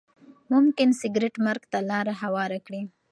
ممکن سګریټ مرګ ته لاره هواره کړي.